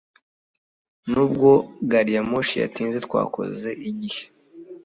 nubwo gari ya moshi yatinze, twakoze igihe